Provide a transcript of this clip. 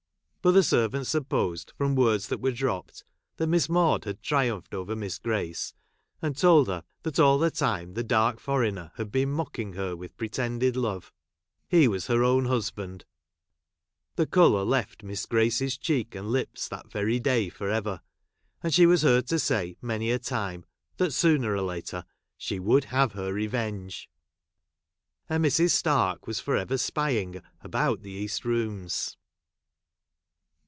But the servants supposed, from ! words that were dropj^ed, that Miss Maude had triumphed over Miss Grace, and told her j that all the time the dark foreigner had been j' mocking her with pretended love — he v.as her own husband ; the colour left Miss Grace's cheek and lips that very day for ever, jmd she was heai'd to say many a time that sooner or later she would have her revenge ; and Mrs. Stark Avas for ever spying about the east rooms.